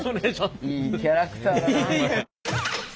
いいキャラクターだなあ。